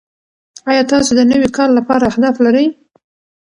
ایا تاسو د نوي کال لپاره اهداف لرئ؟